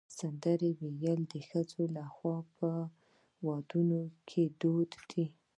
سندرې ویل د ښځو لخوا په ودونو کې دود دی.